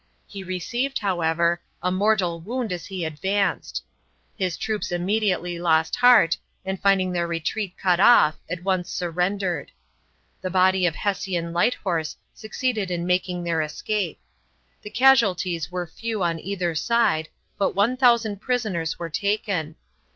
He received, however, a mortal wound as he advanced. His troops immediately lost heart, and finding their retreat cut off at once surrendered. A body of Hessian light horse succeeded in making their escape. The casualties were few on either side, but 1000 prisoners were taken.